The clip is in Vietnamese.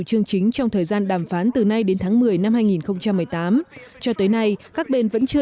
chương chính trong thời gian đàm phán từ nay đến tháng một mươi năm hai nghìn một mươi tám cho tới nay các bên vẫn chưa